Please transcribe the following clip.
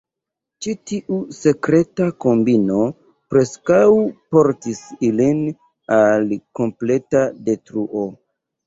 Ĉi tiu sekreta kombino preskaŭ portis ilin al la kompleta detruo.